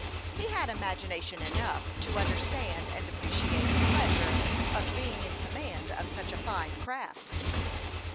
He had imagination enough to understand and ap preciate the pleasure of being in command of such a fine craft.